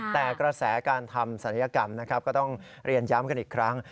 แต่กระแสการทำศัลยกรรมนะครับก็ต้องเรียนย้ำกันอีกครั้ง